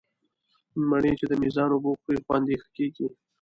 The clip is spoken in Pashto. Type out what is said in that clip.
مڼې چې د مېزان اوبه وخوري، خوند یې ښه کېږي.